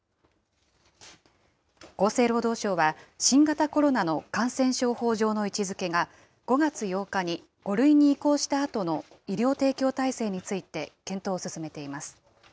厚生労働省は、新型コロナの感染症法上の位置づけが、５月８日に５類に移行したあとの医療提供体制について検討を進めています。